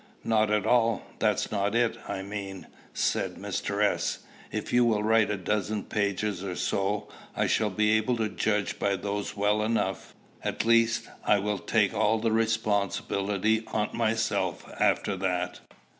"Not at all; that's not it, I mean," said Mr. S.; "if you will write a dozen pages or so, I shall be able to judge by those well enough, at least, I will take all the responsibility on myself after that."